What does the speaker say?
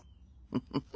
フフフフ。